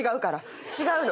違うの。